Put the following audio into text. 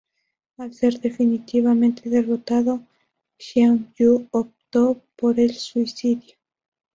Al ser definitivamente derrotado, Xiang Yu optó por el suicidio.